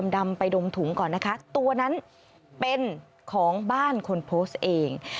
ดำไปดมถุงก่อนนะคะตัวนั้นเป็นของบ้านคนโพสต์เอง